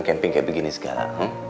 camping kayak begini segala